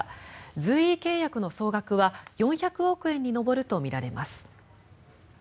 随意契約の総額は４００億円に上るとみられます。